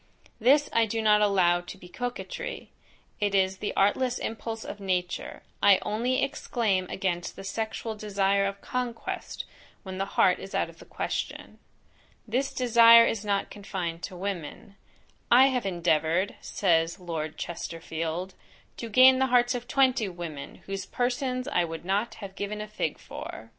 This I do not allow to be coquetry, it is the artless impulse of nature, I only exclaim against the sexual desire of conquest, when the heart is out of the question. This desire is not confined to women; "I have endeavoured," says Lord Chesterfield, "to gain the hearts of twenty women, whose persons I would not have given a fig for."